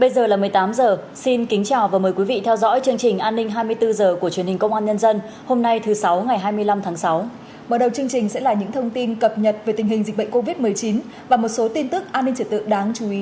các bạn hãy đăng ký kênh để ủng hộ kênh của chúng mình nhé